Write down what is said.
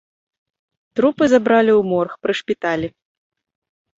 Трупы забралі ў морг пры шпіталі.